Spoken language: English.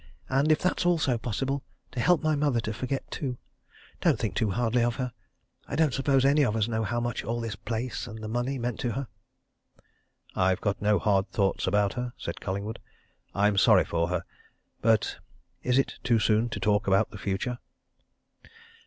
"And if that's also possible to help my mother to forget, too. Don't think too hardly of her I don't suppose any of us know how much all this place and the money meant to her." "I've got no hard thoughts about her," said Collingwood. "I'm sorry for her. But is it too soon to talk about the future?"